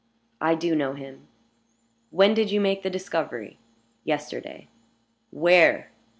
"I do know him." "When did you make the discovery?" "Yesterday." "Where?"